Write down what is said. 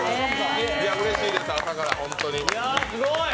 うれしいです、朝からホントに。